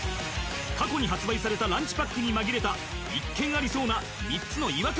過去に発売されたランチパックに紛れた一見ありそうな３つの違和感